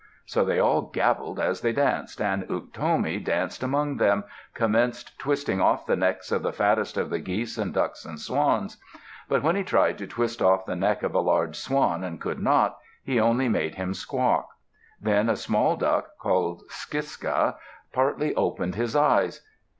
So they all gabbled as they danced, and Unktomi, dancing among them, commenced twisting off the necks of the fattest of the geese and ducks and swans. But when he tried to twist off the neck of a large swan and could not, he only made him squawk. Then a small duck, called Skiska, partly opened his eyes.